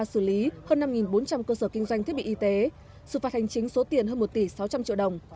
xử lý hơn năm bốn trăm linh cơ sở kinh doanh thiết bị y tế xử phạt hành chính số tiền hơn một tỷ sáu trăm linh triệu đồng